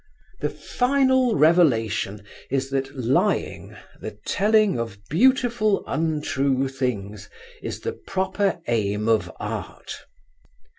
The final revelation is that Lying, the telling of beautiful untrue things, is the proper aim of Art.